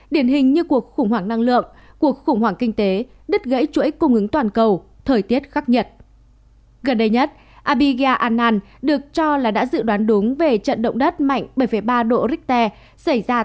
điển hình như cuộc khủng hoảng năng lượng và thách thức kinh tế toàn cầu gồm bảy thách thức lớn mà thế giới phải đối mặt cùng lúc trong khoảng thời gian từ tháng một mươi hai năm hai nghìn hai mươi một đến tháng năm năm hai nghìn hai mươi hai